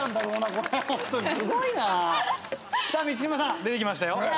ホントにすごいな！さあ満島さん出てきましたよ。